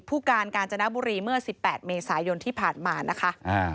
ผู้การกาญจนบุรีเมื่อสิบแปดเมษายนที่ผ่านมานะคะ